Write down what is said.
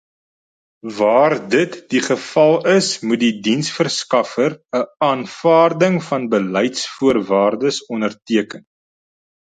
Waar dit die geval is, moet die diensverskaffer 'n Aanvaarding van Beleidsvoorwaardes onderteken.